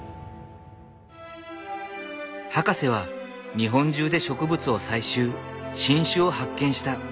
博士は日本中で植物を採集新種を発見した。